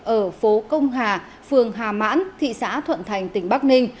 ở phố công hà phường hà mãn thị xã thuận thành tỉnh bắc ninh